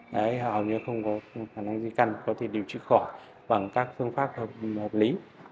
đấy hầu như không có khả năng di căn có thể điều trị khỏi bằng các phương pháp hợp lý